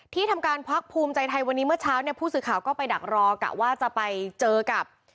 ทำการพักภูมิใจไทยวันนี้เมื่อเช้าเนี่ยผู้สื่อข่าวก็ไปดักรอกะว่าจะไปเจอกับ